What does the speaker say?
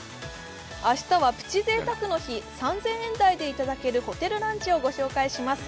明日はプチ贅沢の日３０００円台でいただけるホテルランチをご紹介します